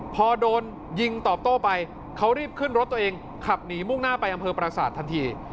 พอโดนยิงตอบโต้ไปเขารีบขึ้นรถตัวเองขับหนีมุ่งหน้าไปอำเภอประสาททันที